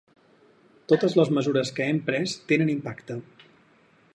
Totes les mesures que hem pres tenen impacte.